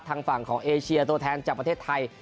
ทางฝั่งของเอเชียตัวแทนจากประเทศไทย